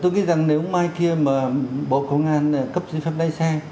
tôi nghĩ rằng nếu mai kia mà bộ công an cấp giấy phép lái xe